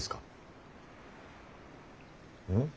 うん？